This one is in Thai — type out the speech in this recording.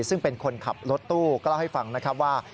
ซึ่งเป็นคนขับรถตู้ก็เล่าให้ฟังนะครับว่า